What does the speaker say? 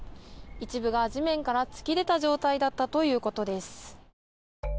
一部が地面から突き出た状態だったということです。